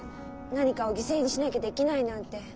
何かを犠牲にしなきゃできないなんて。